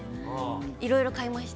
いろいろ買いました。